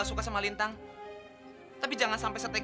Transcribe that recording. coba tambah lagi tenaganya